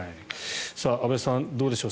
安部さん、どうでしょう。